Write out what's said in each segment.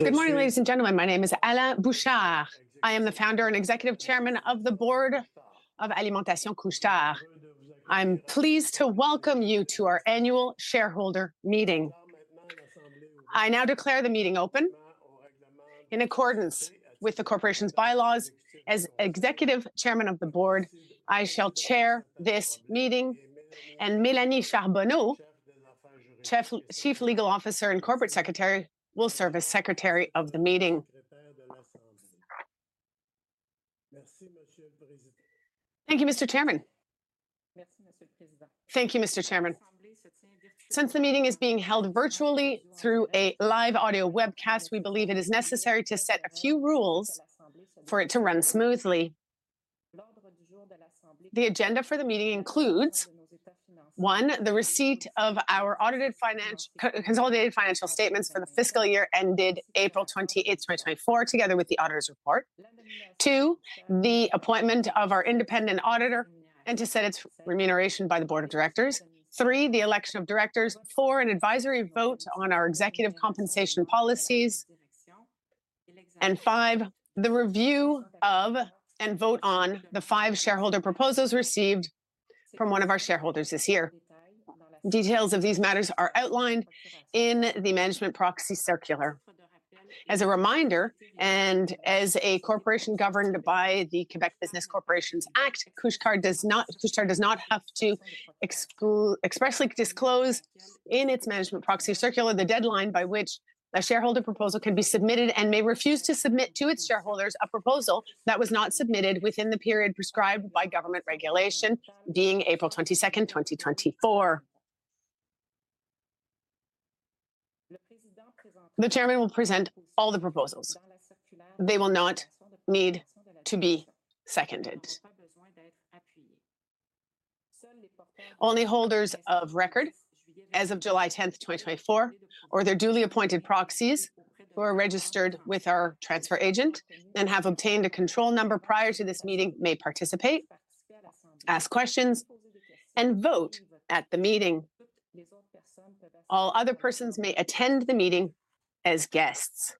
Good morning, ladies and gentlemen. My name is Alain Bouchard. I am the founder and Executive Chairman of the Board of Alimentation Couche-Tard. I'm pleased to welcome you to our annual shareholder meeting. I now declare the meeting open. In accordance with the corporation's bylaws, as Executive Chairman of the Board, I shall chair this meeting, and Mélanie Charbonneau, Chief Legal Officer and Corporate Secretary, will serve as secretary of the meeting. Thank you, Mr. Chairman. Since the meeting is being held virtually through a live audio webcast, we believe it is necessary to set a few rules for it to run smoothly. The agenda for the meeting includes, one, the receipt of our audited consolidated financial statements for the fiscal year ended April 28th, 2024, together with the auditor's report. Two, the appointment of our independent auditor and to set its remuneration by the Board of Directors. Three, the election of directors. Four, an advisory vote on our executive compensation policies. And five, the review of and vote on the five shareholder proposals received from one of our shareholders this year. Details of these matters are outlined in the Management Proxy Circular. As a reminder, and as a corporation governed by the Quebec Business Corporations Act, Couche-Tard does not have to expressly disclose in its Management Proxy Circular the deadline by which a shareholder proposal can be submitted and may refuse to submit to its shareholders a proposal that was not submitted within the period prescribed by government regulation, being April 22nd, 2024. The chairman will present all the proposals. They will not need to be seconded. Only holders of record as of July 10th, 2024, or their duly appointed proxies who are registered with our transfer agent and have obtained a control number prior to this meeting may participate, ask questions, and vote at the meeting. All other persons may attend the meeting as guests.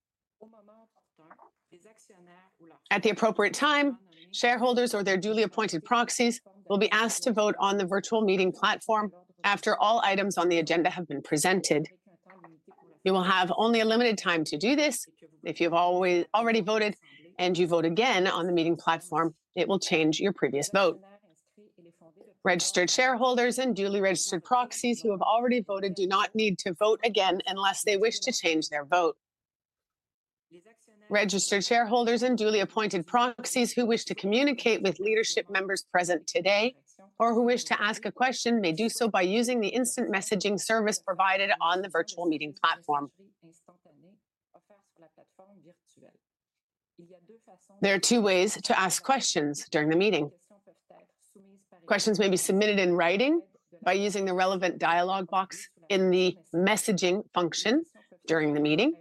At the appropriate time, shareholders or their duly appointed proxies will be asked to vote on the virtual meeting platform after all items on the agenda have been presented. You will have only a limited time to do this. If you've already voted and you vote again on the meeting platform, it will change your previous vote. Registered shareholders and duly registered proxies who have already voted do not need to vote again unless they wish to change their vote. Registered shareholders and duly appointed proxies who wish to communicate with leadership members present today or who wish to ask a question may do so by using the instant messaging service provided on the virtual meeting platform. There are two ways to ask questions during the meeting. Questions may be submitted in writing by using the relevant dialogue box in the messaging function during the meeting.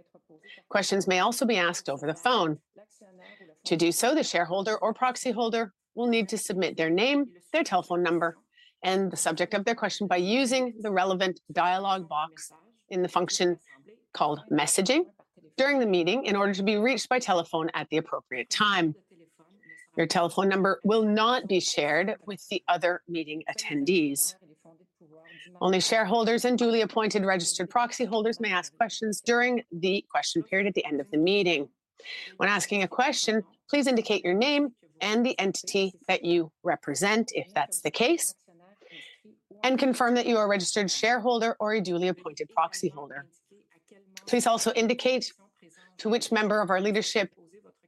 Questions may also be asked over the phone. To do so, the shareholder or proxy holder will need to submit their name, their telephone number, and the subject of their question by using the relevant dialogue box in the function called messaging during the meeting in order to be reached by telephone at the appropriate time. Your telephone number will not be shared with the other meeting attendees. Only shareholders and duly appointed registered proxy holders may ask questions during the question period at the end of the meeting. When asking a question, please indicate your name and the entity that you represent, if that's the case, and confirm that you are a registered shareholder or a duly appointed proxy holder. Please also indicate to which member of our leadership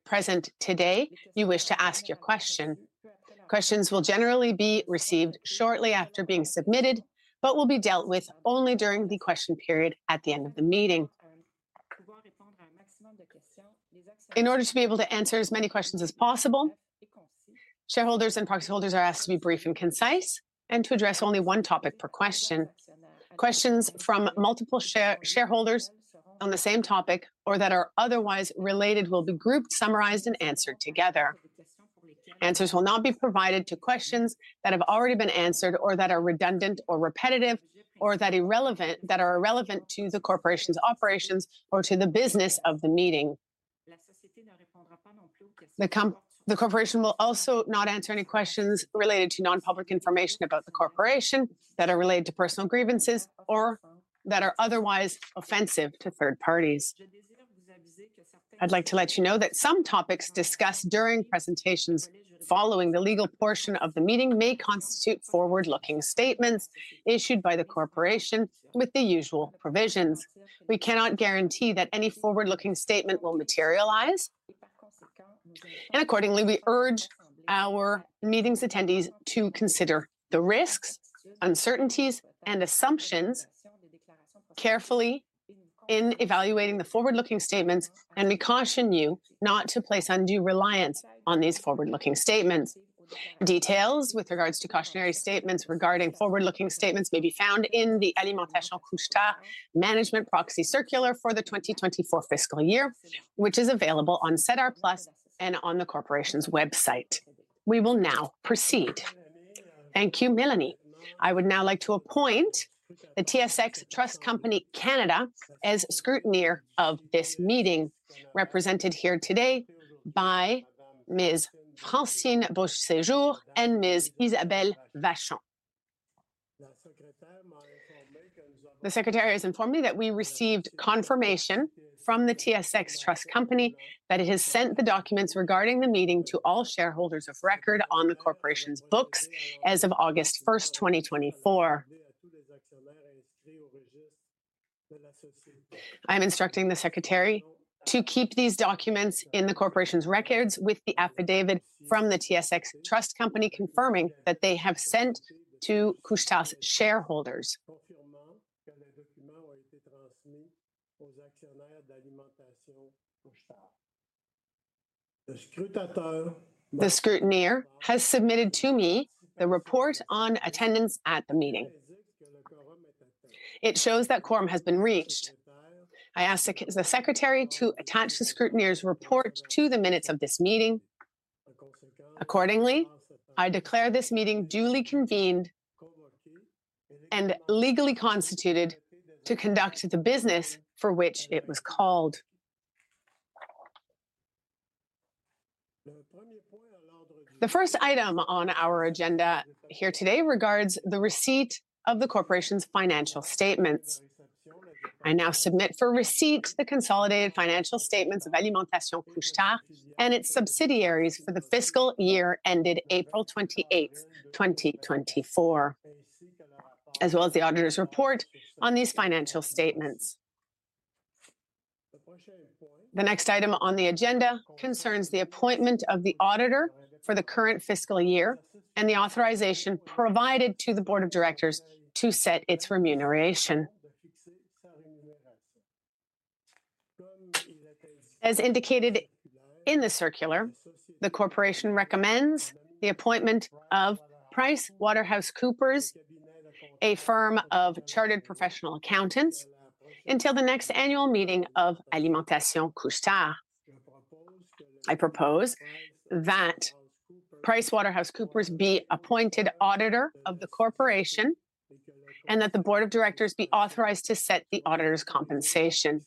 present today you wish to ask your question. Questions will generally be received shortly after being submitted, but will be dealt with only during the question period at the end of the meeting. In order to be able to answer as many questions as possible, shareholders and proxy holders are asked to be brief and concise, and to address only one topic per question. Questions from multiple shareholders on the same topic or that are otherwise related will be grouped, summarized, and answered together. Answers will not be provided to questions that have already been answered or that are redundant or repetitive or that are irrelevant to the corporation's operations or to the business of the meeting. The corporation will also not answer any questions related to non-public information about the corporation, that are related to personal grievances, or that are otherwise offensive to third parties. I'd like to let you know that some topics discussed during presentations following the legal portion of the meeting may constitute forward-looking statements issued by the corporation with the usual provisions. We cannot guarantee that any forward-looking statement will materialize, and accordingly, we urge our meeting's attendees to consider the risks, uncertainties, and assumptions carefully in evaluating the forward-looking statements, and we caution you not to place undue reliance on these forward-looking statements. Details with regards to cautionary statements regarding forward-looking statements may be found in the Alimentation Couche-Tard management proxy circular for the 2024 fiscal year, which is available on SEDAR+ and on the corporation's website. We will now proceed. Thank you, Mélanie. I would now like to appoint the TSX Trust Company as scrutineer of this meeting, represented here today by Ms. Francine Beauséjour and Ms. Isabelle Vachon. The secretary has informed me that we received confirmation from the TSX Trust Company that it has sent the documents regarding the meeting to all shareholders of record on the corporation's books as of August 1st, 2024. I am instructing the secretary to keep these documents in the corporation's records with the affidavit from the TSX Trust Company confirming that they have sent to Couche-Tard shareholders. The scrutineer has submitted to me the report on attendance at the meeting. It shows that quorum has been reached. I ask the secretary to attach the scrutineer's report to the minutes of this meeting. Accordingly, I declare this meeting duly convened and legally constituted to conduct the business for which it was called. The first item on our agenda here today regards the receipt of the corporation's financial statements. I now submit for receipt the consolidated financial statements of Alimentation Couche-Tard and its subsidiaries for the fiscal year ended April 28th, 2024, as well as the auditor's report on these financial statements. The next item on the agenda concerns the appointment of the auditor for the current fiscal year, and the authorization provided to the Board of Directors to set its remuneration. As indicated in the circular, the corporation recommends the appointment of PricewaterhouseCoopers, a firm of chartered professional accountants, until the next annual meeting of Alimentation Couche-Tard. I propose that PricewaterhouseCoopers be appointed auditor of the corporation, and that the board of directors be authorized to set the auditor's compensation.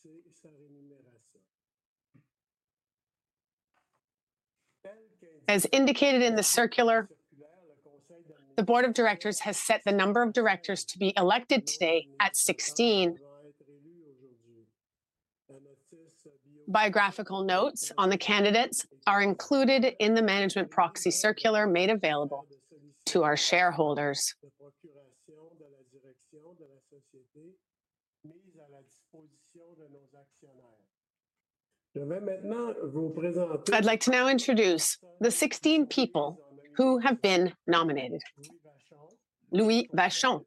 As indicated in the circular, the board of directors has set the number of directors to be elected today at 16. Biographical notes on the candidates are included in the management proxy circular made available to our shareholders. I'd like to now introduce the 16 people who have been nominated: Willie Vachon,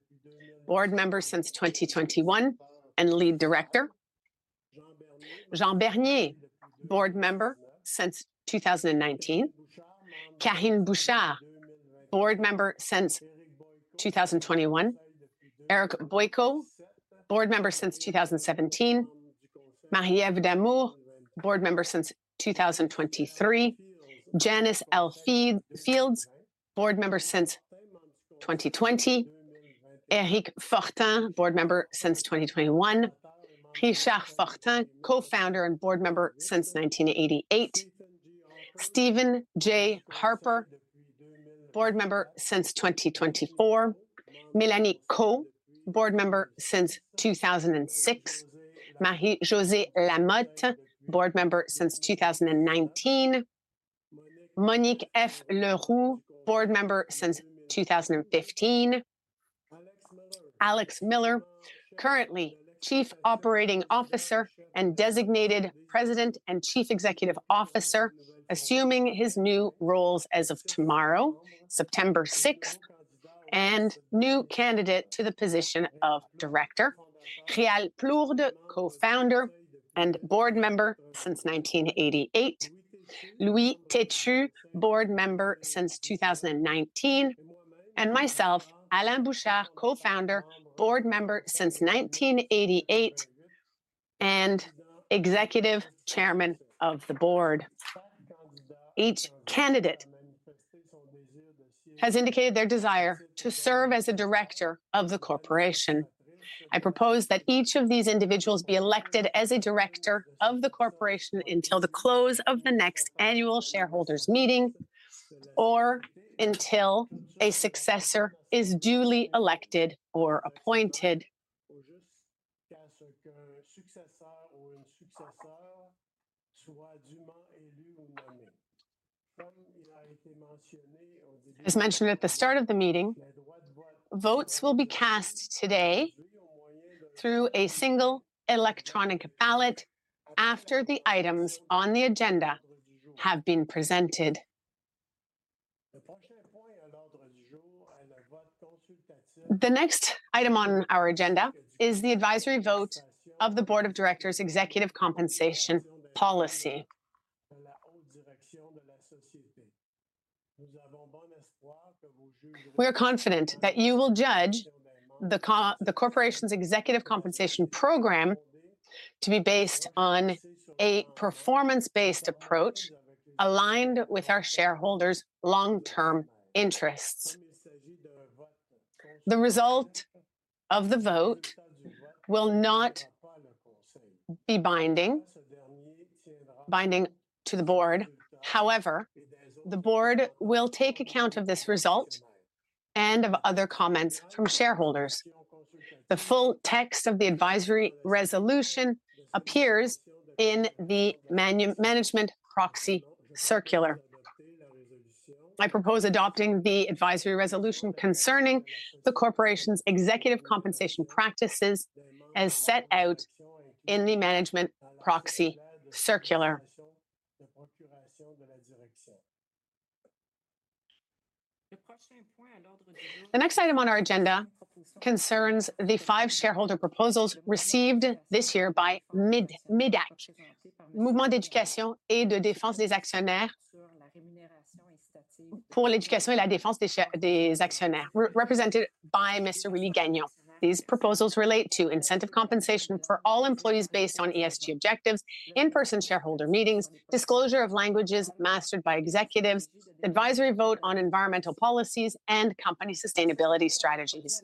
board member since 2021 and lead director; Jean Bernier, board member since 2019; Karine Bouchard, board member since 2021; Eric Boyko, board member since 2017; Marie-Ève D'Amours, board member since 2023; Janice L. Fields, board member since 2020; Eric Fortin, board member since 2021; Richard Fortin, co-founder and board member since 1988; Steven J. Harper, board member since 2024; Mélanie Kau, board member since 2006; Marie-Josée Lamothe, board member since 2019; Monique F. Leroux, Board member since 2015, Alex Miller, currently Chief Operating Officer and designated President and Chief Executive Officer, assuming his new roles as of tomorrow, September 6th, and new candidate to the position of director, Réal Plourde, co-founder and Board member since 1988, Louis Têtu, Board member since 2019, and myself, Alain Bouchard, co-founder, Board member since 1988, and Executive Chairman of the Board. Each candidate has indicated their desire to serve as a director of the corporation. I propose that each of these individuals be elected as a director of the corporation until the close of the next annual shareholders' meeting, or until a successor is duly elected or appointed. As mentioned at the start of the meeting, votes will be cast today through a single electronic ballot after the items on the agenda have been presented. The next item on our agenda is the advisory vote of the Board of Directors' executive compensation policy. We are confident that you will judge the corporation's executive compensation program to be based on a performance-based approach aligned with our shareholders' long-term interests. The result of the vote will not be binding to the board. However, the board will take account of this result and of other comments from shareholders. The full text of the advisory resolution appears in the Management Proxy Circular. I propose adopting the advisory resolution concerning the corporation's executive compensation practices as set out in the Management Proxy Circular. The next item on our agenda concerns the five shareholder proposals received this year by MÉDAC, Mouvement d'éducation et de défense des actionnaires, represented by Mr. Louis Gagnon. These proposals relate to incentive compensation for all employees based on ESG objectives, in-person shareholder meetings, disclosure of languages mastered by executives, advisory vote on environmental policies, and company sustainability strategies.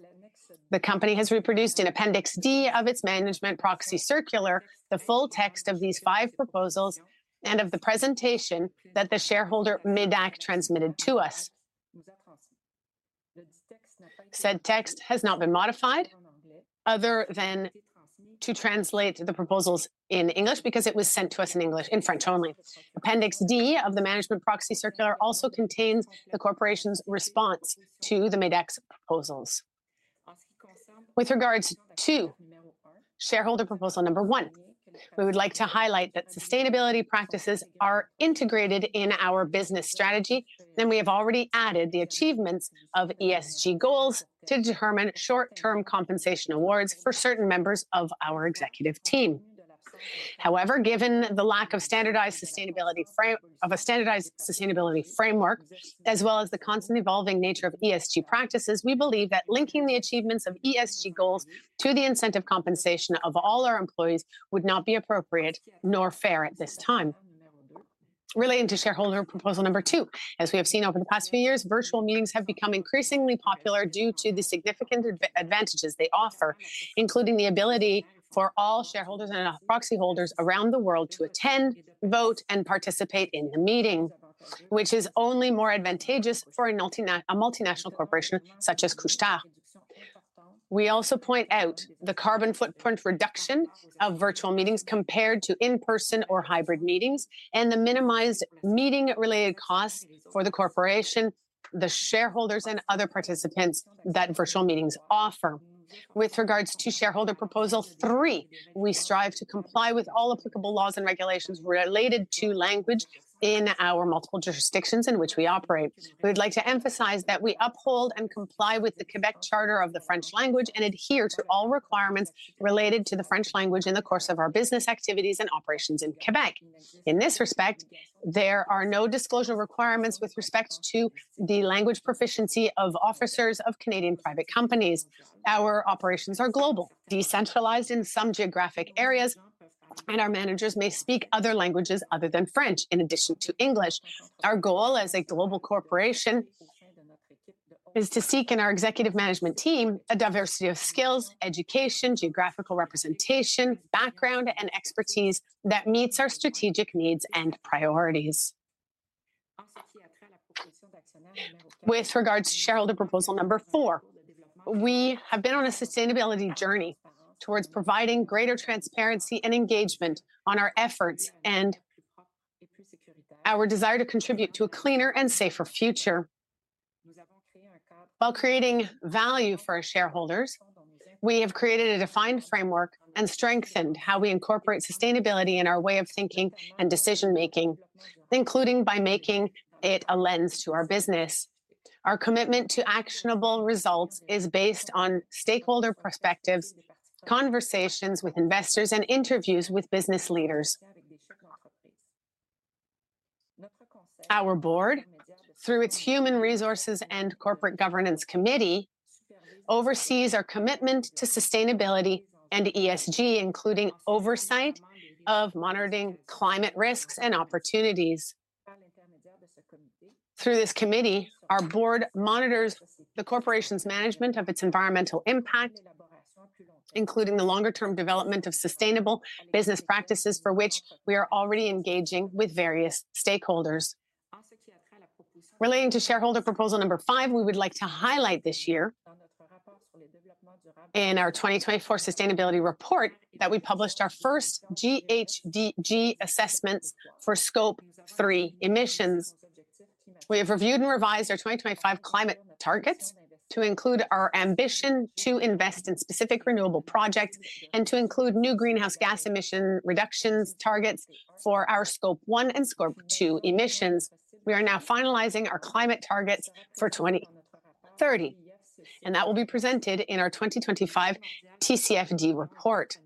The company has reproduced in Appendix D of its Management Proxy Circular the full text of these five proposals and of the presentation that the shareholder, MÉDAC, transmitted to us. Said text has not been modified other than to translate the proposals in English, because it was sent to us in French only. Appendix D of the Management Proxy Circular also contains the corporation's response to the MÉDAC's proposals. With regards to shareholder proposal number one, we would like to highlight that sustainability practices are integrated in our business strategy, and we have already added the achievements of ESG goals to determine short-term compensation awards for certain members of our executive team. However, given the lack of a standardized sustainability framework, as well as the constant evolving nature of ESG practices, we believe that linking the achievements of ESG goals to the incentive compensation of all our employees would not be appropriate nor fair at this time. Relating to shareholder proposal number two, as we have seen over the past few years, virtual meetings have become increasingly popular due to the significant advantages they offer, including the ability for all shareholders and our proxy holders around the world to attend, vote, and participate in the meeting, which is only more advantageous for a multinational corporation such as Couche-Tard. We also point out the carbon footprint reduction of virtual meetings compared to in-person or hybrid meetings, and the minimized meeting-related costs for the corporation, the shareholders, and other participants that virtual meetings offer. With regards to shareholder proposal three, we strive to comply with all applicable laws and regulations related to language in our multiple jurisdictions in which we operate. We would like to emphasize that we uphold and comply with the Quebec Charter of the French Language, and adhere to all requirements related to the French language in the course of our business activities and operations in Quebec. In this respect, there are no disclosure requirements with respect to the language proficiency of officers of Canadian private companies. Our operations are global, decentralized in some geographic areas, and our managers may speak other languages other than French, in addition to English. Our goal as a global corporation is to seek in our executive management team a diversity of skills, education, geographical representation, background, and expertise that meets our strategic needs and priorities. With regards to shareholder proposal number four, we have been on a sustainability journey towards providing greater transparency and engagement on our efforts, and our desire to contribute to a cleaner and safer future. While creating value for our shareholders, we have created a defined framework and strengthened how we incorporate sustainability in our way of thinking and decision-making, including by making it a lens to our business. Our commitment to actionable results is based on stakeholder perspectives, conversations with investors, and interviews with business leaders. Our board, through its human resources and corporate governance committee, oversees our commitment to sustainability and ESG, including oversight of monitoring climate risks and opportunities. Through this committee, our board monitors the corporation's management of its environmental impact, including the longer term development of sustainable business practices, for which we are already engaging with various stakeholders. Relating to shareholder proposal number five, we would like to highlight this year in our 2024 sustainability report, that we published our first GHG assessments for Scope 3 emissions. We have reviewed and revised our 2025 climate targets to include our ambition to invest in specific renewable projects, and to include new greenhouse gas emission reductions targets for our Scope 1 and Scope 2 emissions. We are now finalizing our climate targets for 2030, and that will be presented in our 2025 TCFD report.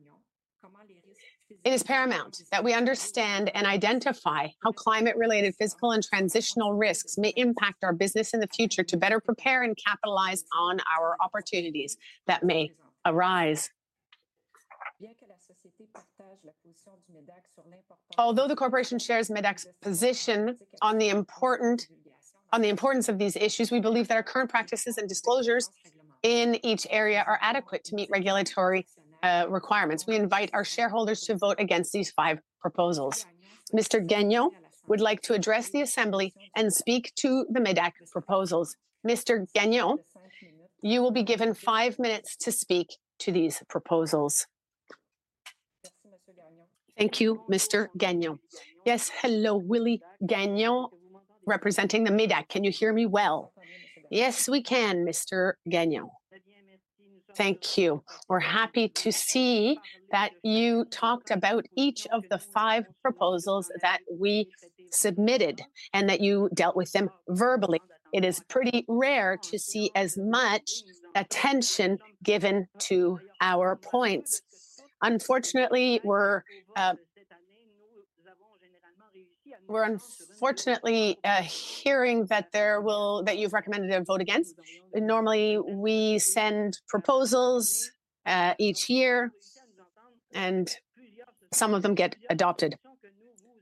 It is paramount that we understand and identify how climate-related physical and transitional risks may impact our business in the future to better prepare and capitalize on our opportunities that may arise. Although the corporation shares MÉDAC's position on the importance of these issues, we believe that our current practices and disclosures in each area are adequate to meet regulatory requirements. We invite our shareholders to vote against these five proposals. Mr. Gagnon would like to address the assembly and speak to the MÉDAC proposals. Mr. Gagnon, you will be given five minutes to speak to these proposals. Thank you, Mr. Gagnon. Yes, hello. Louis Gagnon, representing the MÉDAC. Can you hear me well? Yes, we can, Mr. Gagnon. Thank you. We're happy to see that you talked about each of the five proposals that we submitted, and that you dealt with them verbally. It is pretty rare to see as much attention given to our points. Unfortunately, we're unfortunately hearing that there will. That you've recommended a vote against. Normally, we send proposals each year, and some of them get adopted.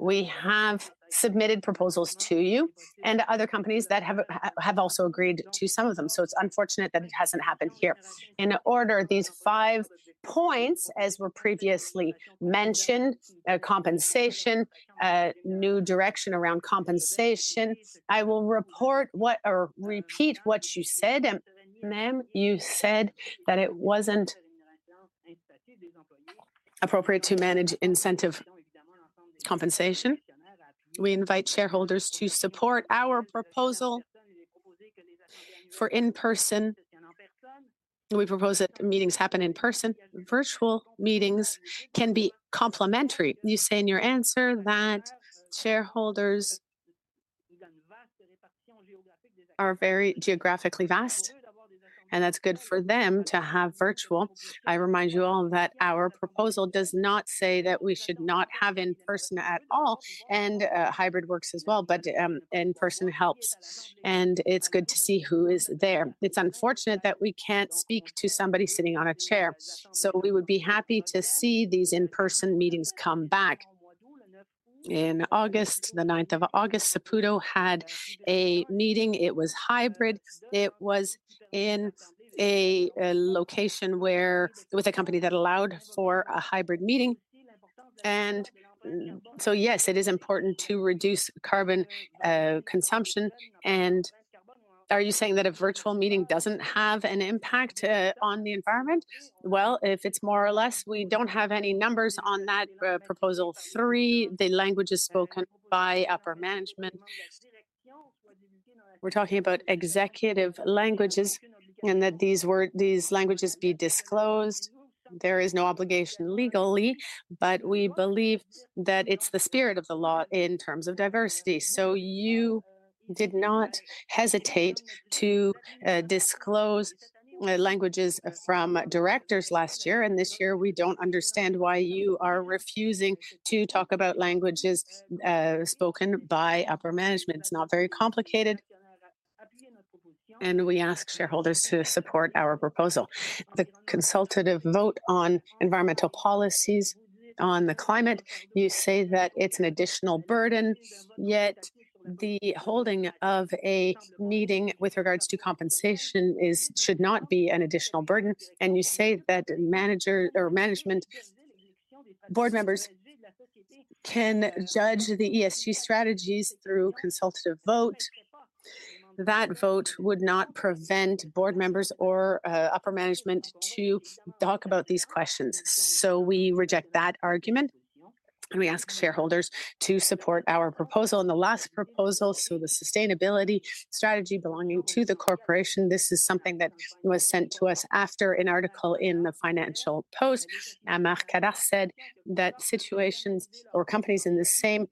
We have submitted proposals to you and other companies that have also agreed to some of them, so it's unfortunate that it hasn't happened here. In order, these five points, as were previously mentioned, compensation, a new direction around compensation. I will report what or repeat what you said, ma'am. You said that it wasn't appropriate to manage incentive compensation. We invite shareholders to support our proposal for in-person. We propose that meetings happen in person. Virtual meetings can be complementary. You say in your answer that shareholders are very geographically vast, and that's good for them to have virtual. I remind you all that our proposal does not say that we should not have in-person at all, and, hybrid works as well, but, in-person helps, and it's good to see who is there. It's unfortunate that we can't speak to somebody sitting on a chair, so we would be happy to see these in-person meetings come back. In August, the 9th of August, Saputo had a meeting. It was hybrid. It was in a location where it was a company that allowed for a hybrid meeting. And so, yes, it is important to reduce carbon, consumption. And are you saying that a virtual meeting doesn't have an impact, on the environment? Well, if it's more or less, we don't have any numbers on that. Proposal three, the languages spoken by upper management. We're talking about executive languages, and that these languages be disclosed. There is no obligation legally, but we believe that it's the spirit of the law in terms of diversity. So you did not hesitate to disclose languages from directors last year, and this year we don't understand why you are refusing to talk about languages spoken by upper management. It's not very complicated, and we ask shareholders to support our proposal. The consultative vote on environmental policies on the climate, you say that it's an additional burden, yet the holding of a meeting with regards to compensation should not be an additional burden. And you say that manager or management board members can judge the ESG strategies through consultative vote. That vote would not prevent board members or upper management to talk about these questions, so we reject that argument, and we ask shareholders to support our proposal. The last proposal, so the sustainability strategy belonging to the corporation, this is something that was sent to us after an article in the Financial Post. Marc Cadar said that situations or companies in the same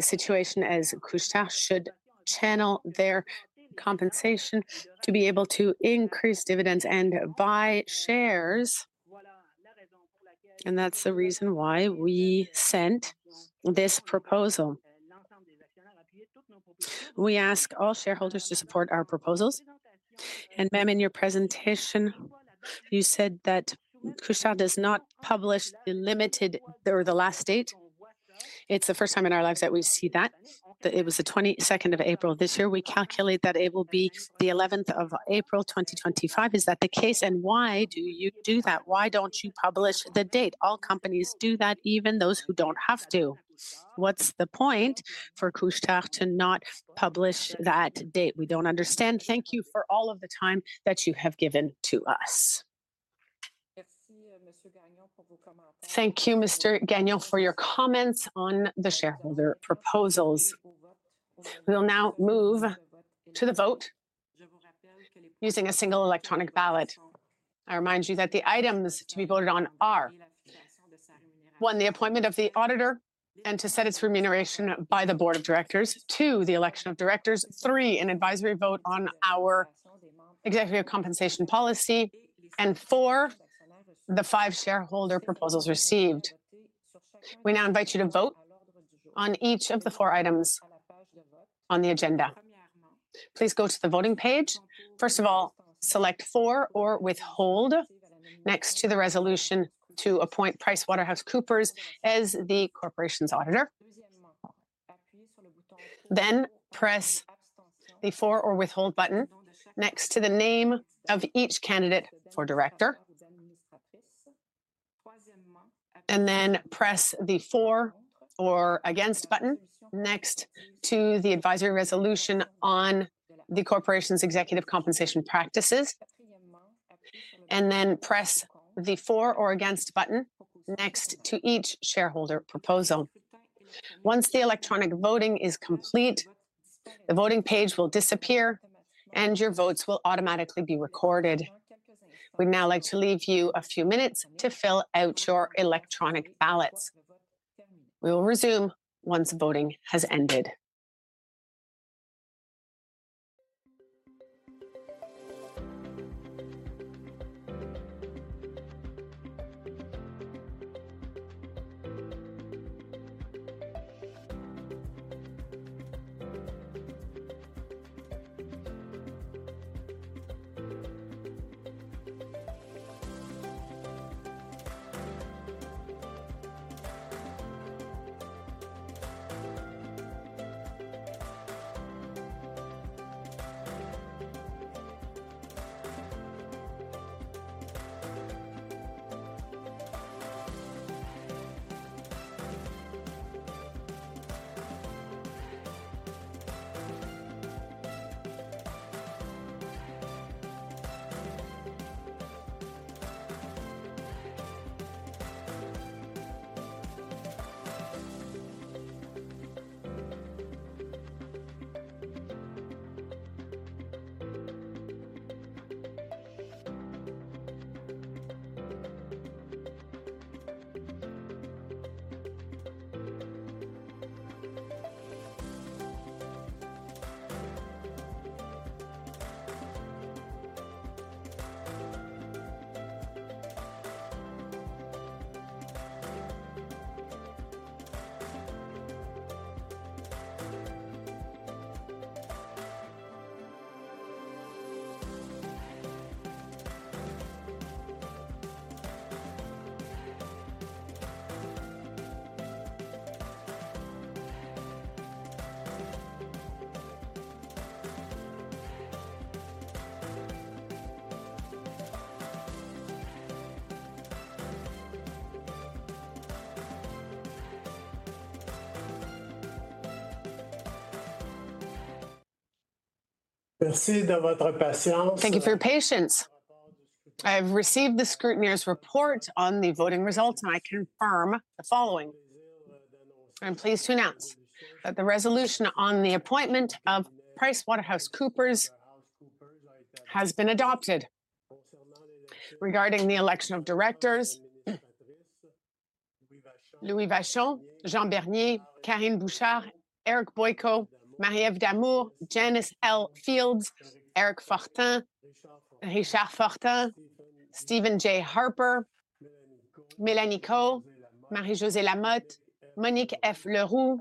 situation as Couche-Tard should channel their compensation to be able to increase dividends and buy shares, and that's the reason why we sent this proposal. We ask all shareholders to support our proposals. Ma'am, in your presentation, you said that Couche-Tard does not publish the limited or the last date. It's the first time in our lives that we see that it was the 22nd of April. This year, we calculate that it will be the 11th of April, 2025. Is that the case, and why do you do that? Why don't you publish the date? All companies do that, even those who don't have to. What's the point for Couche-Tard to not publish that date? We don't understand. Thank you for all of the time that you have given to us. Thank you, Mr. Gagnon, for your comments on the shareholder proposals. We will now move to the vote using a single electronic ballot. I remind you that the items to be voted on are, one, the appointment of the auditor, and to set its remuneration by the Board of Directors. Two, the election of directors. Three, an advisory vote on our executive compensation policy, and four, the five shareholder proposals received. We now invite you to vote on each of the four items on the agenda. Please go to the voting page. First of all, select for or withhold next to the resolution to appoint PricewaterhouseCoopers as the corporation's auditor. Then press the for or withhold button next to the name of each candidate for director, and then press the for or against button next to the advisory resolution on the corporation's executive compensation practices, and then press the for or against button next to each shareholder proposal. Once the electronic voting is complete, the voting page will disappear, and your votes will automatically be recorded. We'd now like to leave you a few minutes to fill out your electronic ballots. We will resume once voting has ended. Thank you for your patience. I've received the scrutineer's report on the voting results, and I confirm the following: I'm pleased to announce that the resolution on the appointment of PricewaterhouseCoopers has been adopted. Regarding the election of directors, Louis Vachon, Jean Bernier, Karine Bouchard, Eric Boyko, Marie-Eve D'Amours, Janice L. Fields, Eric Fortin, Richard Fortin, Steven J. Harper, Mélanie Kau, Marie-Josée Lamothe, Monique F. Leroux,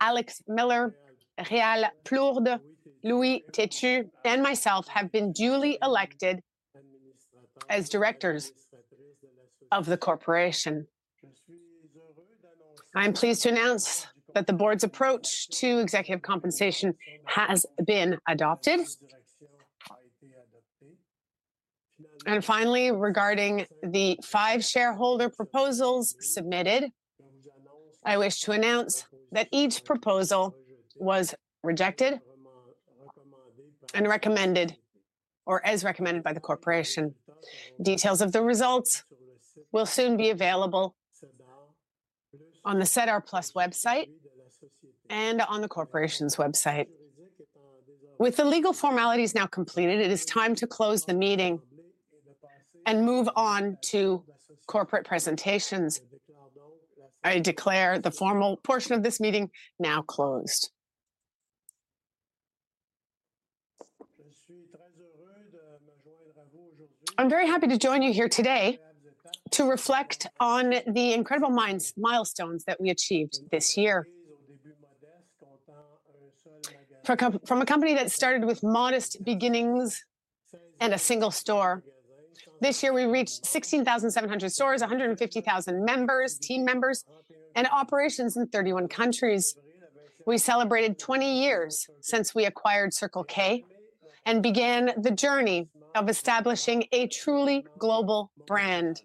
Alex Miller, Réal Plourde, Louis Têtu, and myself have been duly elected as directors of the corporation. I'm pleased to announce that the board's approach to executive compensation has been adopted. Finally, regarding the five shareholder proposals submitted, I wish to announce that each proposal was rejected and recommended... or as recommended by the corporation. Details of the results will soon be available on the SEDAR+ website and on the corporation's website. With the legal formalities now completed, it is time to close the meeting and move on to corporate presentations. I declare the formal portion of this meeting now closed. I'm very happy to join you here today to reflect on the incredible milestones that we achieved this year. From a company that started with modest beginnings and a single store, this year we reached 16,700 stores, 150,000 team members, and operations in 31 countries. We celebrated 20 years since we acquired Circle K and began the journey of establishing a truly global brand.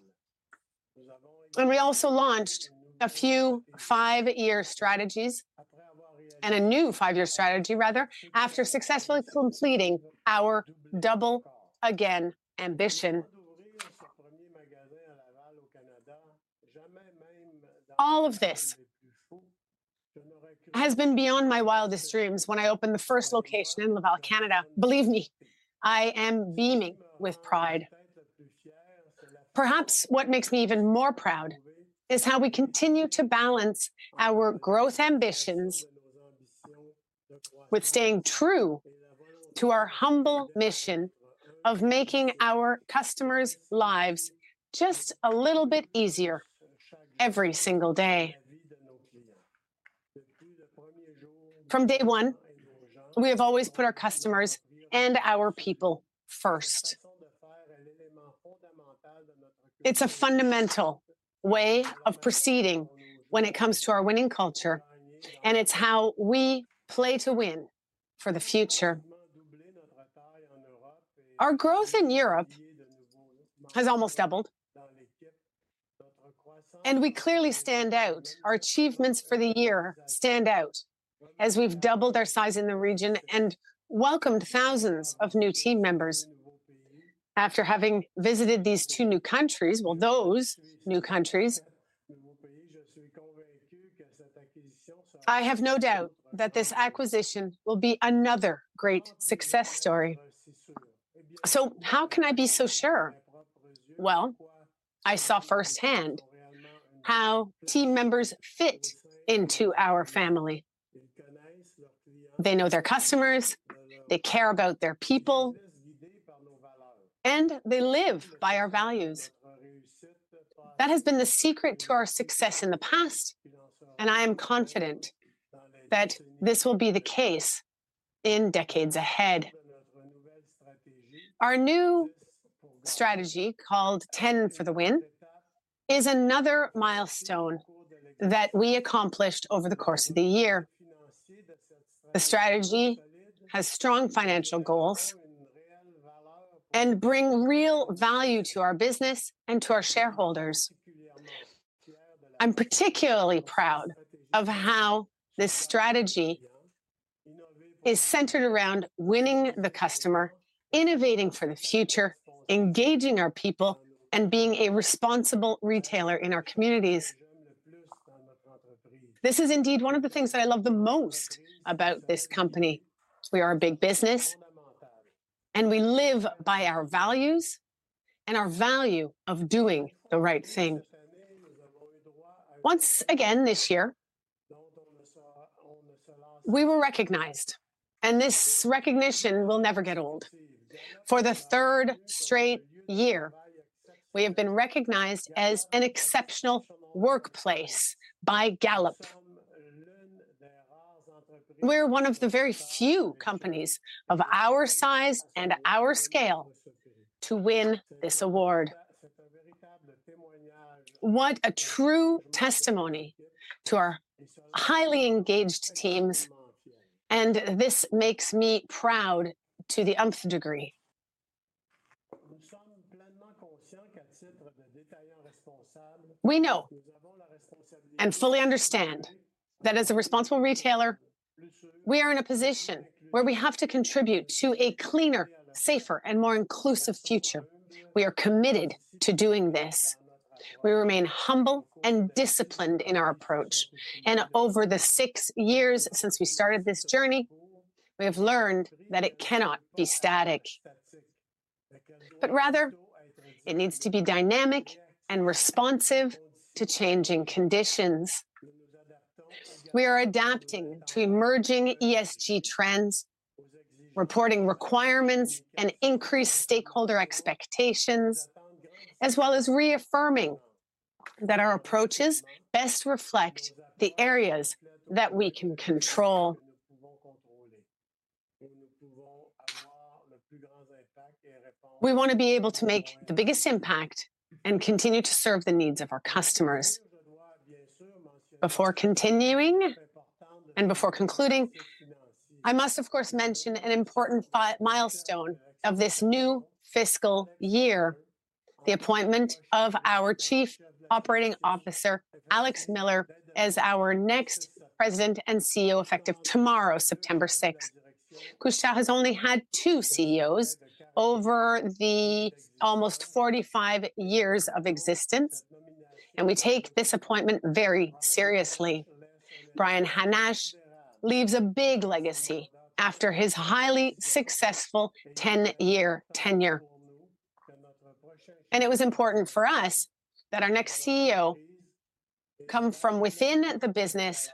We also launched a few five-year strategies, and a new five-year strategy rather, after successfully completing our Double Again ambition. All of this has been beyond my wildest dreams when I opened the first location in Laval, Canada. Believe me, I am beaming with pride. Perhaps what makes me even more proud is how we continue to balance our growth ambitions with staying true to our humble mission of making our customers' lives just a little bit easier every single day. From day one, we have always put our customers and our people first. It's a fundamental way of proceeding when it comes to our winning culture, and it's how we play to win for the future. Our growth in Europe has almost doubled, and we clearly stand out. Our achievements for the year stand out, as we've doubled our size in the region and welcomed thousands of new team members. After having visited these two new countries, well, those new countries, I have no doubt that this acquisition will be another great success story. So how can I be so sure? Well, I saw firsthand how team members fit into our family. They know their customers, they care about their people, and they live by our values. That has been the secret to our success in the past, and I am confident that this will be the case in decades ahead. Our new strategy, called 10 for the Win, is another milestone that we accomplished over the course of the year. The strategy has strong financial goals and bring real value to our business and to our shareholders. I'm particularly proud of how this strategy is centered around winning the customer, innovating for the future, engaging our people, and being a responsible retailer in our communities. This is indeed one of the things that I love the most about this company. We are a big business, and we live by our values and our value of doing the right thing. Once again, this year, we were recognized, and this recognition will never get old. For the third straight year, we have been recognized as an exceptional workplace by Gallup. We're one of the very few companies of our size and our scale to win this award. What a true testimony to our highly engaged teams, and this makes me proud to the umpteenth degree! We know and fully understand that as a responsible retailer, we are in a position where we have to contribute to a cleaner, safer, and more inclusive future. We are committed to doing this. We remain humble and disciplined in our approach, and over the six years since we started this journey, we have learned that it cannot be static, but rather it needs to be dynamic and responsive to changing conditions. We are adapting to emerging ESG trends, reporting requirements, and increased stakeholder expectations, as well as reaffirming that our approaches best reflect the areas that we can control. We want to be able to make the biggest impact and continue to serve the needs of our customers. Before continuing and before concluding, I must, of course, mention an important milestone of this new fiscal year, the appointment of our Chief Operating Officer, Alex Miller, as our next president and CEO, effective tomorrow, 6th September. Couche-Tard has only had two CEOs over the almost 45 years of existence, and we take this appointment very seriously. Brian Hannasch leaves a big legacy after his highly successful ten-year tenure, and it was important for us that our next CEO come from within the business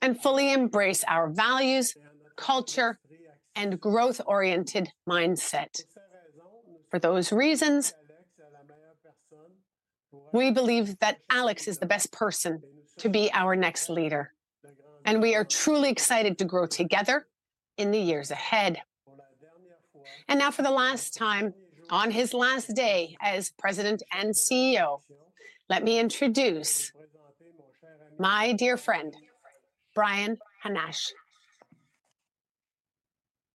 and fully embrace our values, culture, and growth-oriented mindset. For those reasons, we believe that Alex is the best person to be our next leader, and we are truly excited to grow together in the years ahead, and now, for the last time, on his last day as President and CEO, let me introduce my dear friend, Brian Hannasch.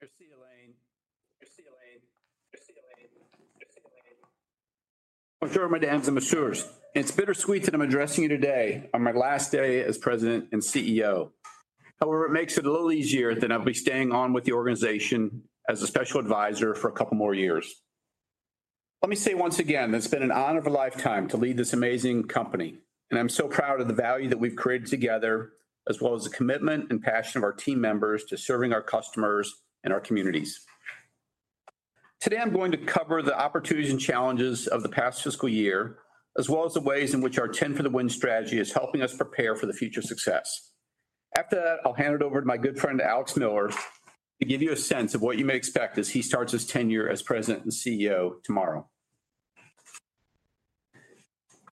Merci, Alain. Mesdames et messieurs, it's bittersweet that I'm addressing you today on my last day as President and CEO. However, it makes it a little easier that I'll be staying on with the organization as a special advisor for a couple more years. Let me say once again, that it's been an honor of a lifetime to lead this amazing company and I'm so proud of the value that we've created together, as well as the commitment and passion of our team members to serving our customers and our communities. Today, I'm going to cover the opportunities and challenges of the past fiscal year, as well as the ways in which our 10 for the Win strategy is helping us prepare for the future success. After that, I'll hand it over to my good friend, Alex Miller, to give you a sense of what you may expect as he starts his tenure as President and CEO tomorrow.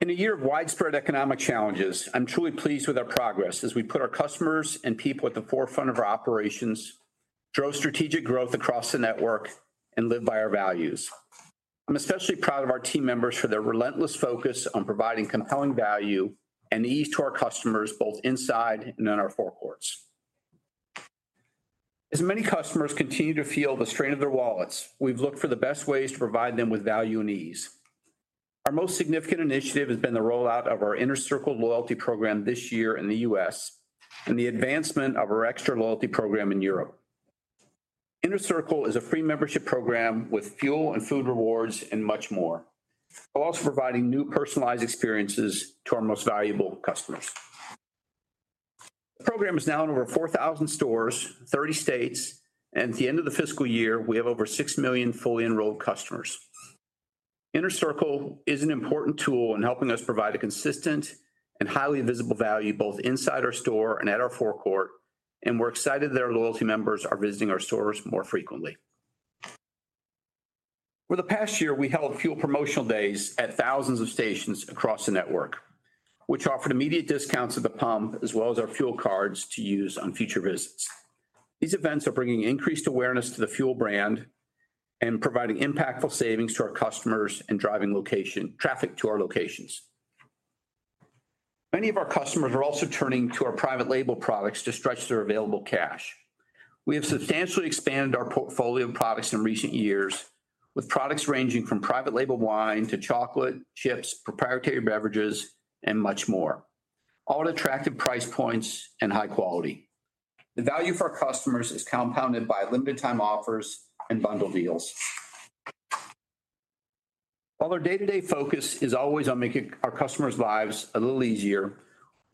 In a year of widespread economic challenges, I'm truly pleased with our progress as we put our customers and people at the forefront of our operations, drove strategic growth across the network, and lived by our values. I'm especially proud of our team members for their relentless focus on providing compelling value and ease to our customers, both inside and in our forecourts. As many customers continue to feel the strain of their wallets, we've looked for the best ways to provide them with value and ease. Our most significant initiative has been the rollout of our Inner Circle loyalty program this year in the U.S., and the advancement of our Extra loyalty program in Europe. Inner Circle is a free membership program with fuel and food rewards, and much more, while also providing new personalized experiences to our most valuable customers. The program is now in over 4,000 stores, 30 states, and at the end of the fiscal year, we have over 6 million fully enrolled customers. Inner Circle is an important tool in helping us provide a consistent and highly visible value, both inside our store and at our forecourt, and we're excited that our loyalty members are visiting our stores more frequently. For the past year, we held fuel promotional days at thousands of stations across the network, which offered immediate discounts at the pump, as well as our fuel cards to use on future visits. These events are bringing increased awareness to the fuel brand and providing impactful savings to our customers and driving location traffic to our locations. Many of our customers are also turning to our private label products to stretch their available cash. We have substantially expanded our portfolio of products in recent years, with products ranging from private label wine to chocolate, chips, proprietary beverages, and much more, all at attractive price points and high quality. The value for our customers is compounded by limited time offers and bundle deals. While our day-to-day focus is always on making our customers' lives a little easier,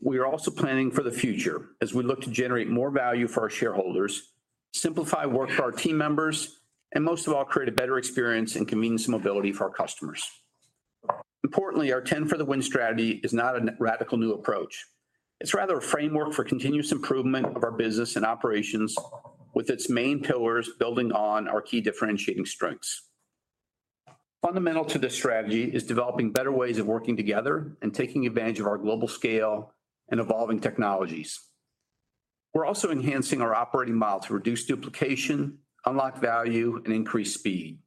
we are also planning for the future as we look to generate more value for our shareholders, simplify work for our team members, and most of all, create a better experience in convenience and mobility for our customers. Importantly, our 10 for the Win strategy is not a radical new approach. It's rather a framework for continuous improvement of our business and operations, with its main pillars building on our key differentiating strengths. Fundamental to this strategy is developing better ways of working together and taking advantage of our global scale and evolving technologies. We're also enhancing our operating model to reduce duplication, unlock value, and increase speed.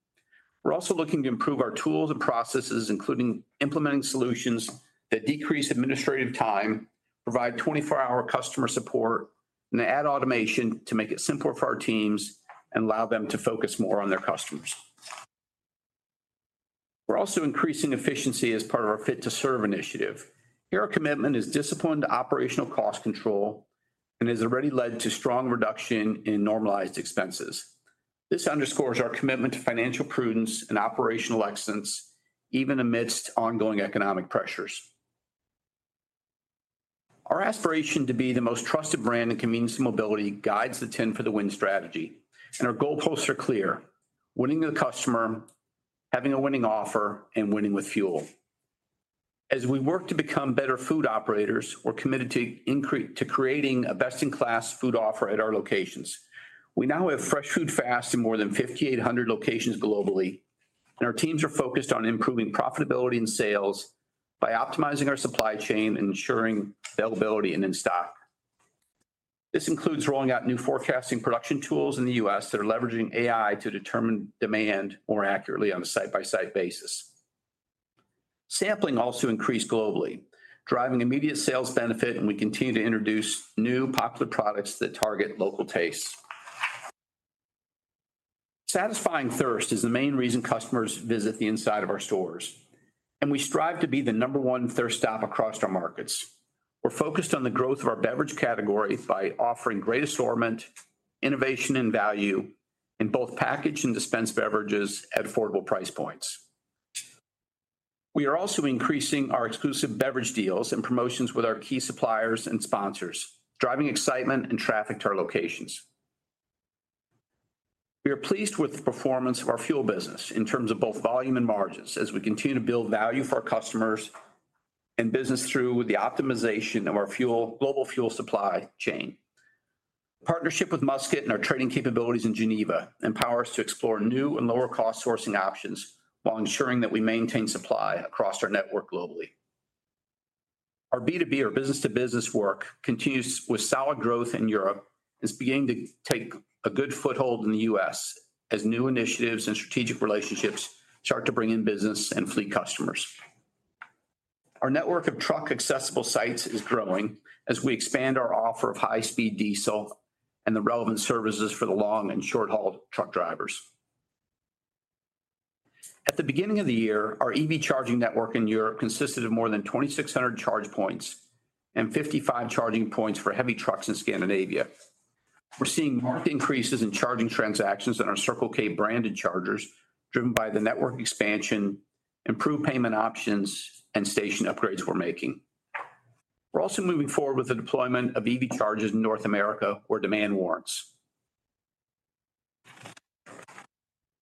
We're also looking to improve our tools and processes, including implementing solutions that decrease administrative time, provide 24-hour customer support, and add automation to make it simpler for our teams and allow them to focus more on their customers. We're also increasing efficiency as part of our Fit to Serve initiative. Here, our commitment is disciplined operational cost control and has already led to strong reduction in normalized expenses. This underscores our commitment to financial prudence and operational excellence, even amidst ongoing economic pressures. Our aspiration to be the most trusted brand in convenience and mobility guides the 10 for the Win strategy, and our goalposts are clear: winning the customer, having a winning offer, and winning with fuel. As we work to become better food operators, we're committed to creating a best-in-class food offer at our locations. We now have Fresh Food Fast in more than 5,800 locations globally, and our teams are focused on improving profitability and sales by optimizing our supply chain and ensuring availability and in-stock. This includes rolling out new forecasting production tools in the U.S. that are leveraging AI to determine demand more accurately on a site-by-site basis. Sampling also increased globally, driving immediate sales benefit, and we continue to introduce new popular products that target local tastes. Satisfying thirst is the main reason customers visit the inside of our stores, and we strive to be the number one thirst stop across our markets. We're focused on the growth of our beverage category by offering great assortment, innovation, and value in both packaged and dispensed beverages at affordable price points. We are also increasing our exclusive beverage deals and promotions with our key suppliers and sponsors, driving excitement and traffic to our locations. We are pleased with the performance of our fuel business in terms of both volume and margins, as we continue to build value for our customers and business through the optimization of our fuel global fuel supply chain. Partnership with Musket and our trading capabilities in Geneva empower us to explore new and lower-cost sourcing options while ensuring that we maintain supply across our network globally. Our B2B, or business-to-business work, continues with solid growth in Europe, and is beginning to take a good foothold in the U.S. as new initiatives and strategic relationships start to bring in business and fleet customers. Our network of truck-accessible sites is growing as we expand our offer of high-speed diesel and the relevant services for the long- and short-haul truck drivers. At the beginning of the year, our EV charging network in Europe consisted of more than 2,600 charge points and 55 charging points for heavy trucks in Scandinavia.... We're seeing marked increases in charging transactions on our Circle K branded chargers, driven by the network expansion, improved payment options, and station upgrades we're making. We're also moving forward with the deployment of EV chargers in North America, where demand warrants.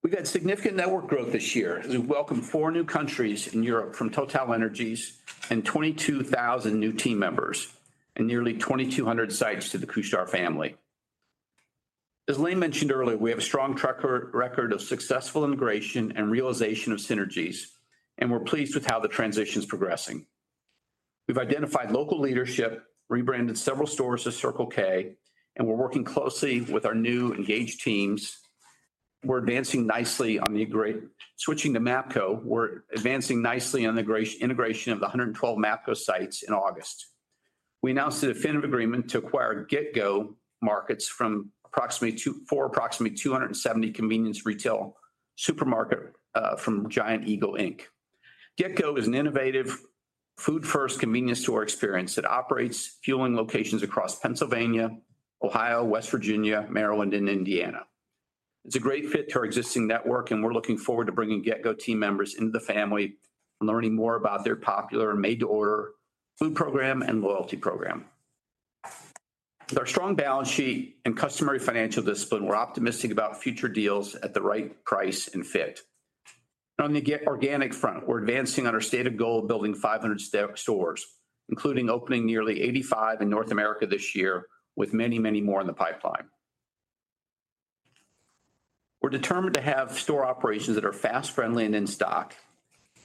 We've had significant network growth this year, as we welcome four new countries in Europe from TotalEnergies and 22,000 new team members, and nearly 2,200 sites to the Couche-Tard family. As Alain mentioned earlier, we have a strong track record of successful integration and realization of synergies, and we're pleased with how the transition is progressing. We've identified local leadership, rebranded several stores as Circle K, and we're working closely with our new engaged teams. We're advancing nicely on the integration of the 112 Mapco sites in August. We announced a definitive agreement to acquire GetGo markets from approximately 270 convenience retail supermarkets from Giant Eagle Inc. GetGo is an innovative, food-first convenience store experience that operates fueling locations across Pennsylvania, Ohio, West Virginia, Maryland, and Indiana. It's a great fit to our existing network, and we're looking forward to bringing GetGo team members into the family and learning more about their popular made-to-order food program and loyalty program. With our strong balance sheet and customary financial discipline, we're optimistic about future deals at the right price and fit. On the organic front, we're advancing on our stated goal of building 500 stores, including opening nearly 85 in North America this year, with many, many more in the pipeline. We're determined to have store operations that are fast, friendly, and in stock,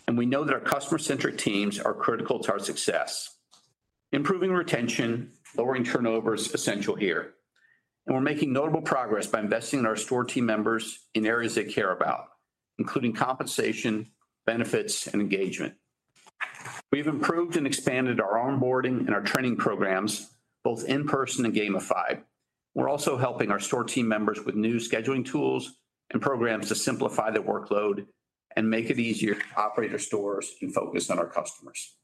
and we know that our customer-centric teams are critical to our success. Improving retention, lowering turnover is essential here, and we're making notable progress by investing in our store team members in areas they care about, including compensation, benefits, and engagement. We've improved and expanded our onboarding and our training programs, both in person and gamified. We're also helping our store team members with new scheduling tools and programs to simplify their workload and make it easier to operate our stores and focus on our customers.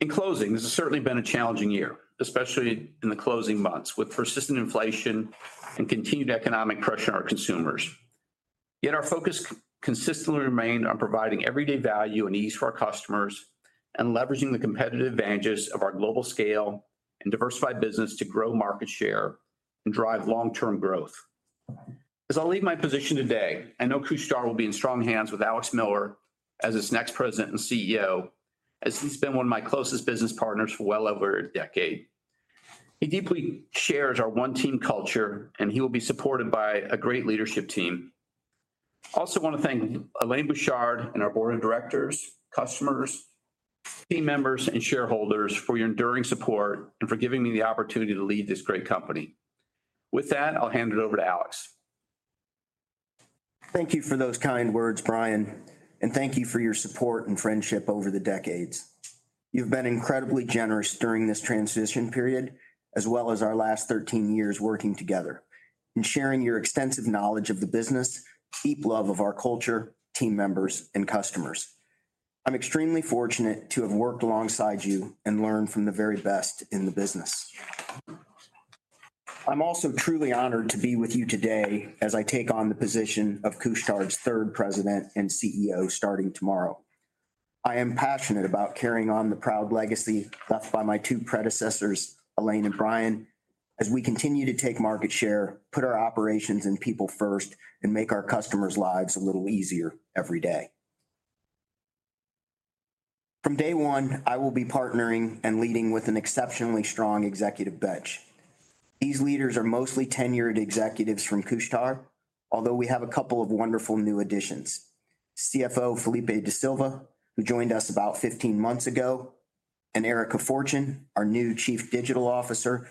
In closing, this has certainly been a challenging year, especially in the closing months, with persistent inflation and continued economic pressure on our consumers. Yet our focus consistently remained on providing everyday value and ease for our customers, and leveraging the competitive advantages of our global scale and diversified business to grow market share and drive long-term growth. As I leave my position today, I know Couche-Tard will be in strong hands with Alex Miller as its next President and CEO, as he's been one of my closest business partners for well over a decade. He deeply shares our one team culture, and he will be supported by a great leadership team. I also want to thank Alain Bouchard and our Board of Directors, customers, team members, and shareholders for your enduring support and for giving me the opportunity to lead this great company. With that, I'll hand it over to Alex. Thank you for those kind words, Brian, and thank you for your support and friendship over the decades. You've been incredibly generous during this transition period, as well as our last 13 years working together and sharing your extensive knowledge of the business, deep love of our culture, team members, and customers. I'm extremely fortunate to have worked alongside you and learned from the very best in the business. I'm also truly honored to be with you today as I take on the position of Couche-Tard's third President and CEO, starting tomorrow. I am passionate about carrying on the proud legacy left by my two predecessors, Alain and Brian, as we continue to take market share, put our operations and people first, and make our customers' lives a little easier every day. From day one, I will be partnering and leading with an exceptionally strong executive bench. These leaders are mostly tenured executives from Couche-Tard, although we have a couple of wonderful new additions. CFO Felipe Da Silva, who joined us about 15 months ago, and Erica Fortune, our new Chief Digital Officer,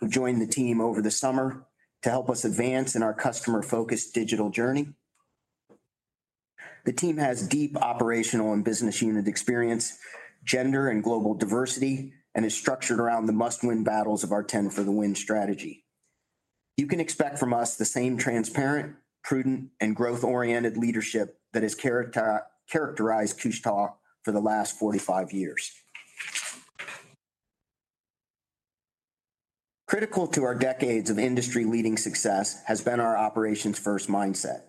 who joined the team over the summer to help us advance in our customer-focused digital journey. The team has deep operational and business unit experience, gender and global diversity, and is structured around the must-win battles of our 10 for the Win strategy. You can expect from us the same transparent, prudent, and growth-oriented leadership that has characterized Couche-Tard for the last 45 years. Critical to our decades of industry-leading success has been our operations-first mindset,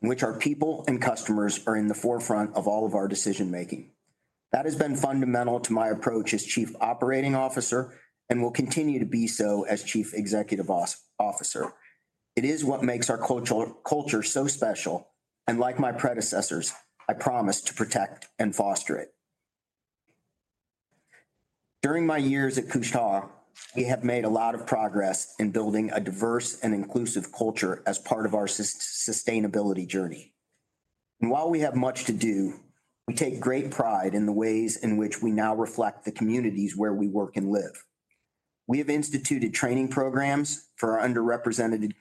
in which our people and customers are in the forefront of all of our decision-making. That has been fundamental to my approach as Chief Operating Officer and will continue to be so as Chief Executive Officer. It is what makes our culture so special, and like my predecessors, I promise to protect and foster it. During my years at Couche-Tard, we have made a lot of progress in building a diverse and inclusive culture as part of our sustainability journey. And while we have much to do, we take great pride in the ways in which we now reflect the communities where we work and live. We have instituted training programs for our underrepresented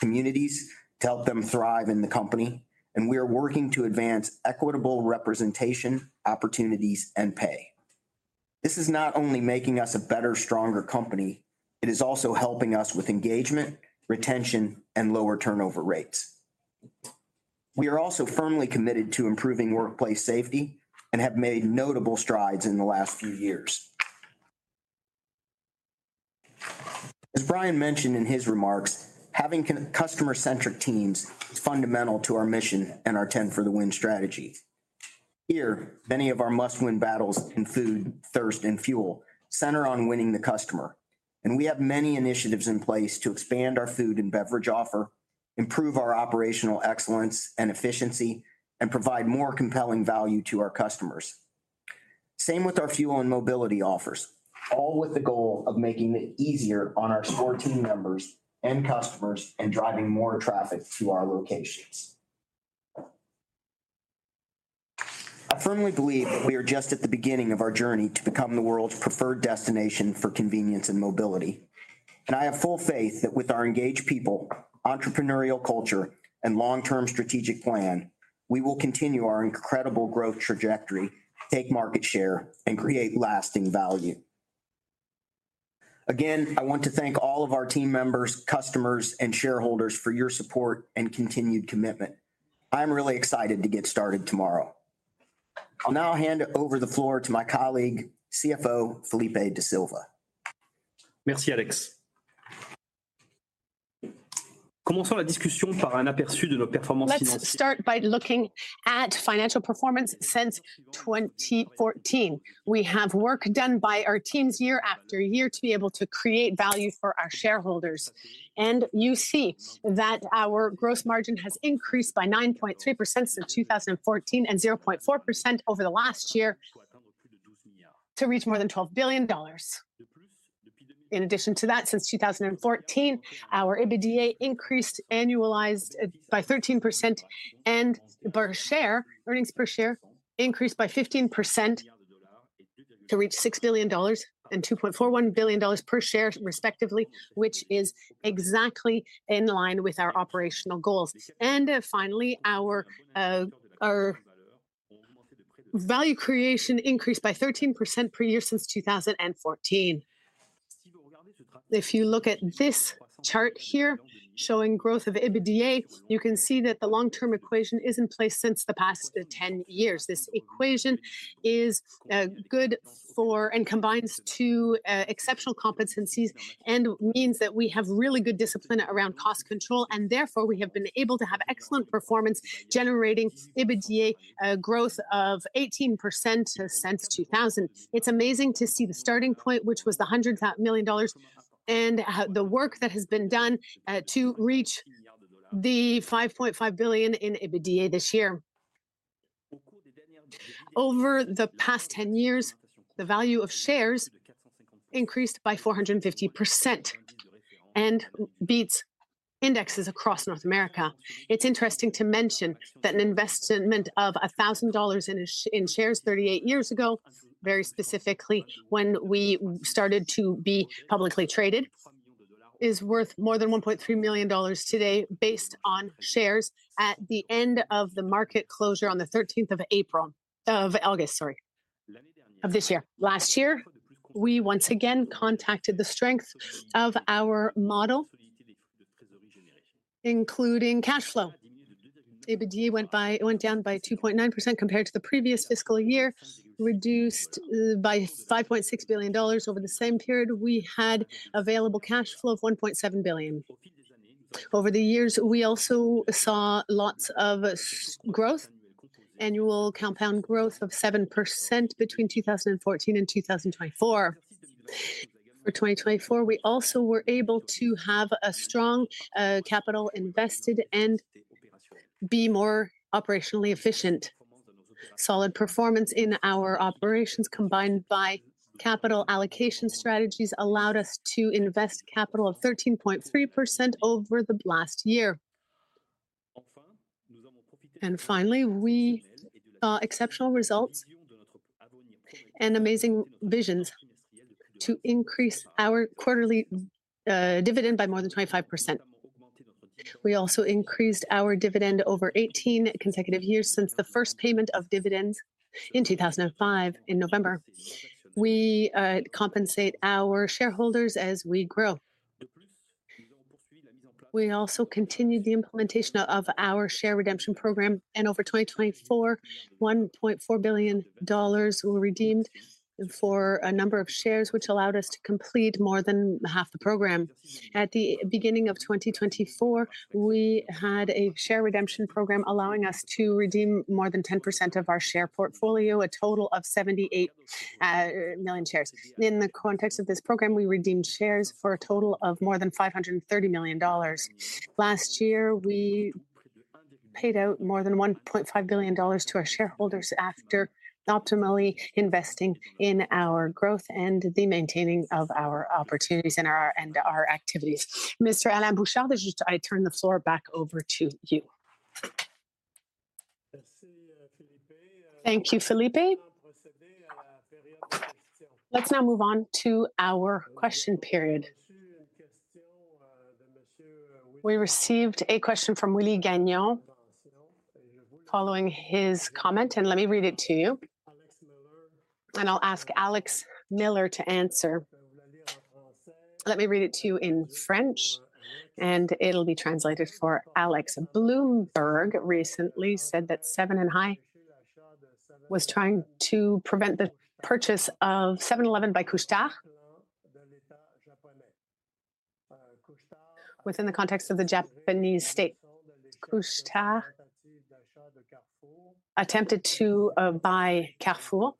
communities to help them thrive in the company, and we are working to advance equitable representation, opportunities, and pay. This is not only making us a better, stronger company, it is also helping us with engagement, retention, and lower turnover rates…. We are also firmly committed to improving workplace safety, and have made notable strides in the last few years. As Brian mentioned in his remarks, having customer-centric teams is fundamental to our mission and our 10 for the Win strategy. Here, many of our must-win battles in food, thirst, and fuel center on winning the customer, and we have many initiatives in place to expand our food and beverage offer, improve our operational excellence and efficiency, and provide more compelling value to our customers. Same with our fuel and mobility offers, all with the goal of making it easier on our store team members and customers, and driving more traffic to our locations. I firmly believe that we are just at the beginning of our journey to become the world's preferred destination for convenience and mobility, and I have full faith that with our engaged people, entrepreneurial culture, and long-term strategic plan, we will continue our incredible growth trajectory, take market share, and create lasting value. Again, I want to thank all of our team members, customers, and shareholders for your support and continued commitment. I'm really excited to get started tomorrow. I'll now hand over the floor to my colleague, CFO, Felipe Da Silva. Merci, Alex. Let's start by looking at financial performance since 2014. We have work done by our teams year after year to be able to create value for our shareholders, and you see that our gross margin has increased by 9.3% since 2014, and 0.4% over the last year, to reach more than $12 billion. In addition to that, since 2014, our EBITDA increased annualized by 13%, and per share, earnings per share increased by 15% to reach $6 billion and $2.41 billion per share, respectively, which is exactly in line with our operational goals. And finally, our value creation increased by 13% per year since 2014. If you look at this chart here, showing growth of EBITDA, you can see that the long-term equation is in place since the past 10 years. This equation is good for, and combines two exceptional competencies, and means that we have really good discipline around cost control, and therefore, we have been able to have excellent performance, generating EBITDA growth of 18% since 2000. It's amazing to see the starting point, which was the $100 million, and the work that has been done to reach the $5.5 billion in EBITDA this year. Over the past 10 years, the value of shares increased by 450%, and beats indexes across North America. It's interesting to mention that an investment of $1,000 in shares 38 years ago, very specifically, when we started to be publicly traded, is worth more than $1.3 million today, based on shares at the end of the market closure on the 13th August of this year. Last year, we once again confirmed the strength of our model, including cash flow. EBITDA went down by 2.9% compared to the previous fiscal year, reduced by $5.6 billion over the same period. We had available cash flow of $1.7 billion. Over the years, we also saw lots of growth, annual compound growth of 7% between 2014 and 2024. For 2024, we also were able to have a strong capital invested and be more operationally efficient. Solid performance in our operations, combined by capital allocation strategies, allowed us to invest capital of 13.3% over the last year. Finally, we exceptional results and amazing visions to increase our quarterly dividend by more than 25%. We also increased our dividend over 18 consecutive years since the first payment of dividends in 2005, in November. We compensate our shareholders as we grow. We also continued the implementation of our share redemption program, and over 2024, $1.4 billion were redeemed for a number of shares, which allowed us to complete more than half the program. At the beginning of 2024, we had a share redemption program allowing us to redeem more than 10% of our share portfolio, a total of 78 million shares. In the context of this program, we redeemed shares for a total of more than $530 million. Last year, we paid out more than $1.5 billion to our shareholders, after optimally investing in our growth and the maintaining of our opportunities and our activities. Mr. Alain Bouchard, I turn the floor back over to you. Thank you, Filipe. Let's now move on to our question period. We received a question from Willie Gagnon, following his comment, and let me read it to you, and I'll ask Alex Miller to answer. Let me read it to you in French, and it'll be translated for Alex. Bloomberg recently said that Seven & i was trying to prevent the purchase of 7-Eleven by Couche-Tard. Within the context of the Japanese state, Couche-Tard attempted to buy Carrefour,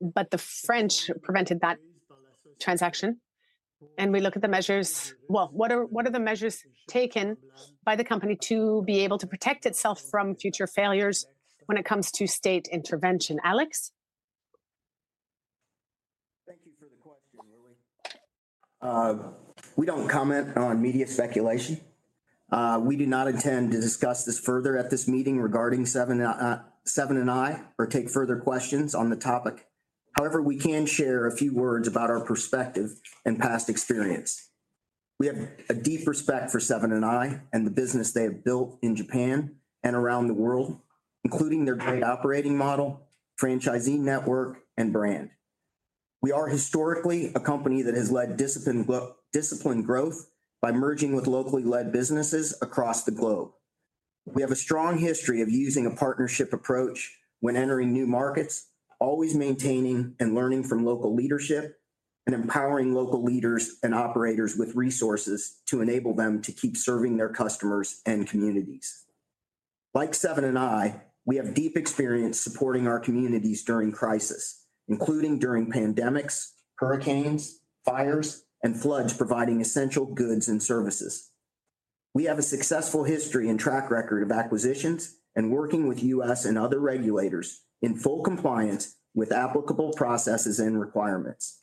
but the French prevented that transaction, and we look at the measures. What are the measures taken by the company to be able to protect itself from future failures when it comes to state intervention? Alex? Thank you for the question, Willie. We don't comment on media speculation. We do not intend to discuss this further at this meeting regarding Seven & i or take further questions on the topic. However, we can share a few words about our perspective and past experience. We have a deep respect for Seven & i and the business they have built in Japan and around the world, including their great operating model, franchisee network, and brand. We are historically a company that has led disciplined growth by merging with locally led businesses across the globe. We have a strong history of using a partnership approach when entering new markets, always maintaining and learning from local leadership and empowering local leaders and operators with resources to enable them to keep serving their customers and communities. Like Seven & i, we have deep experience supporting our communities during crisis, including during pandemics, hurricanes, fires, and floods, providing essential goods and services. We have a successful history and track record of acquisitions and working with US and other regulators in full compliance with applicable processes and requirements.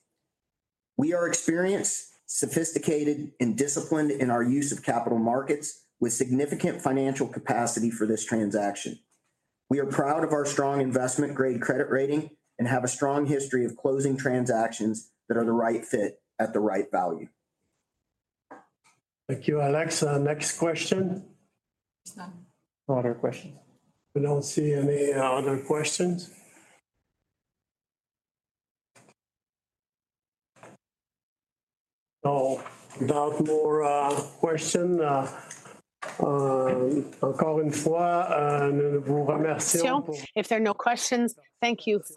We are experienced, sophisticated, and disciplined in our use of capital markets with significant financial capacity for this transaction. We are proud of our strong investment-grade credit rating and have a strong history of closing transactions that are the right fit at the right value. Thank you, Alex. Next question? There's none. No other questions. We don't see any other questions. So without more question. If there are no questions, thank you very-